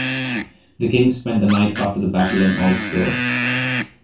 The King spent the night after the battle in Augsburg.